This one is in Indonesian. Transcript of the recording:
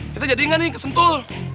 kita jadiin ga nih ke sentul